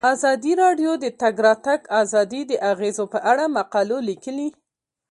ازادي راډیو د د تګ راتګ ازادي د اغیزو په اړه مقالو لیکلي.